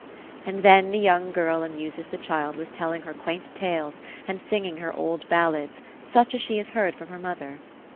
And then the young girl amuses the child with telling her quaint tales, and singing her old ballads, such as she has heard from her mother.